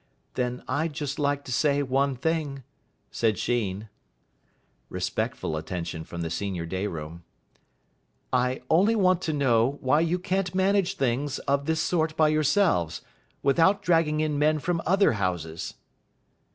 "Then I'd just like to say one thing," said Sheen. Respectful attention from the senior day room. "I only want to know why you can't manage things of this sort by yourselves, without dragging in men from other houses."